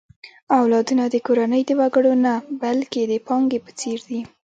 اولادونه د کورنۍ د وګړو نه، بلکې د پانګې په څېر دي.